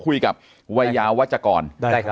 ด่อผมขอคุยกับวัยยาววัจจากร